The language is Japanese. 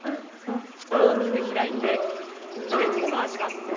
大きく開いてぐるっと回します。